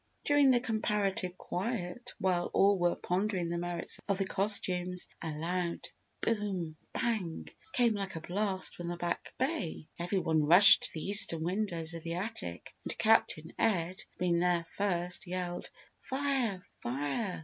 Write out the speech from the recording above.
During the comparative quiet while all were pondering the merits of the costumes, a loud "Boom! Bang" came like a blast from the back bay. Every one rushed to the eastern windows of the attic and Captain Ed, being there first, yelled, "Fire! Fire!"